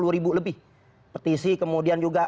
sepuluh ribu lebih petisi kemudian juga